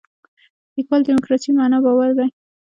لیکوال دیموکراسي معنا باور دی.